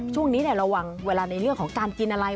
ช่วงนี้ระวังเวลาในเรื่องของการกินอะไร